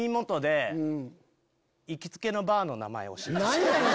何やねん！